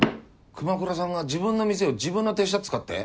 熊倉さんが自分の店を自分の手下使って？